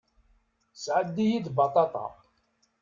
Sɛeddi-yi-d baṭaṭa.